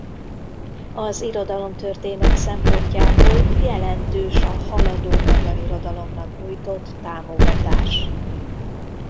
Az irodalomtörténet szempontjából jelentős a haladó magyar irodalomnak nyújtott támogatás.